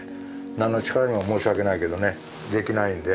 何の力にも申し訳ないけどねできないんで。